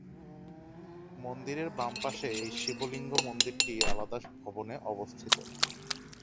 মন্দিরের বাম পাশে এই শিবলিঙ্গ মন্দিরটি আলাদা ভবনে অবস্থিত।